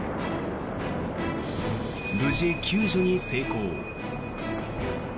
無事、救助に成功。